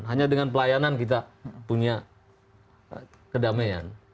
hanya dengan pelayanan kita punya kedamaian